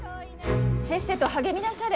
せっせと励みなされ。